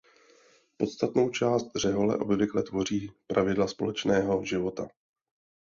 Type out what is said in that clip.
Podstatnou část řehole obvykle tvoří pravidla společného života.